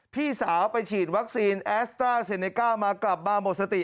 พี่สาวไปฉีดวัคซีนแอสตราเซเนก้ามากลับมาหมดสติ